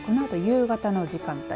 このあと夕方の時間帯。